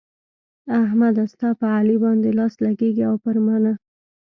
احمده! ستا په علي باندې لاس لګېږي او پر ما نه.